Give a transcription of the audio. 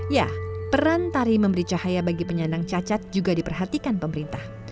ya peran tari memberi cahaya bagi penyandang cacat juga diperhatikan pemerintah